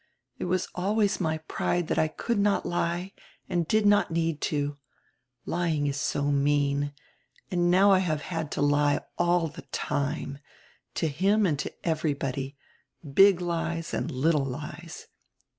It was always my pride that I could not lie and did not need to — lying is so mean, and now I have had to lie all the time, to him and to everybody, big lies and little lies.